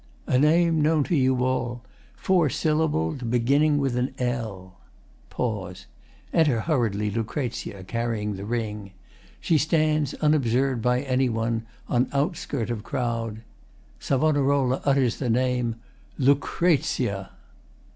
] A name known to you all four syllabled, Beginning with an L. [Pause. Enter hurriedly LUC., carrying the ring. She stands, unobserved by any one, on outskirt of crowd. SAV. utters the name:] Lucrezia!